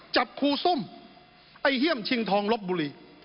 จับครูส้มไอ้เฮี่ยมชิงทองลบบุรี